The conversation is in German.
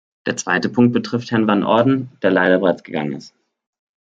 Der zweite Punkt betrifft Herrn Van Orden, der leider bereits gegangen ist.